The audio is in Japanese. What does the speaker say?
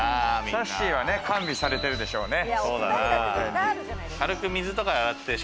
さっしーは完備されてるでしょうね。